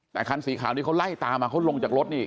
แต่คันสีขาวนี้เขาไล่ตามมาเขาลงจากรถนี่